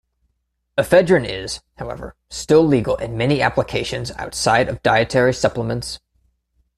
Ephedrine is, however, still legal in many applications outside of dietary supplements.